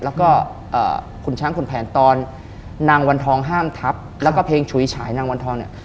แล้วก็คุณช้างคุณแผนตอนนางวันทองห้ามทับแล้วก็เพลงฉุยฉายนางวันทองเนี่ย